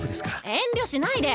遠慮しないで。